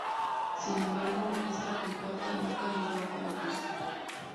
Sin embargo esta compuerta nunca llegó a colocarse.